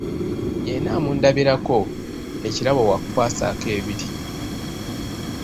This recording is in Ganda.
Yenna amundabirako, ekirabo wa kukwasaako ebiri.